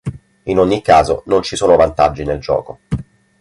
In ogni caso, non ci sono vantaggi nel gioco.